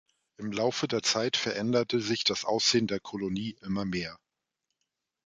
Im Laufe der Zeit veränderte sich das Aussehen der Kolonie immer mehr.